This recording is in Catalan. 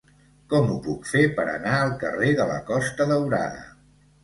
Com ho puc fer per anar al carrer de la Costa Daurada?